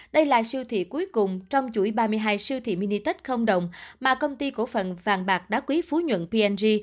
đây là siêu thị cuối cùng trong chuỗi ba mươi hai siêu thị mini tết không đồng mà công ty cổ phận vàng bạc đá quý phú nhuận p g